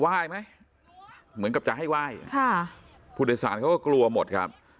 ไหมเหมือนกับจะให้ไหว้ค่ะผู้โดยสารเขาก็กลัวหมดครับ